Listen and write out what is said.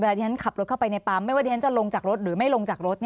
ที่ฉันขับรถเข้าไปในปั๊มไม่ว่าที่ฉันจะลงจากรถหรือไม่ลงจากรถ